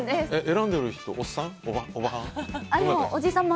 選んでる人はおっさん？